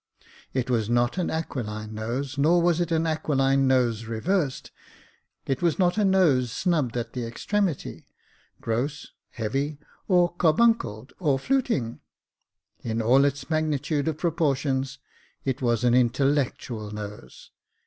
It was not an aquiline nose, nor was it an aquiline nose reversed. It was not a nose snubbed at the extremity, gross, heavy, or car buncled, or fluting. In all its magnitude of proportions, it was an intellectual nose.